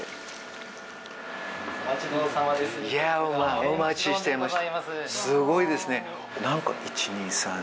お待ちしていました。